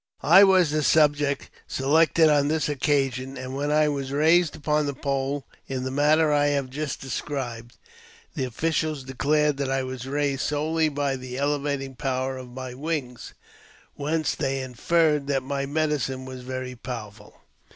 I was the subject selected on this occasion ; and when I raised upon the pole in the manner I have just described, th^ oflicials declared that I was raised solely by the elevating powe of my wings, whence they inferred that my medicine was vei powerful.